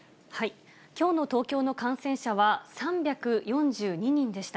きょうの東京の感染者は３４２人でした。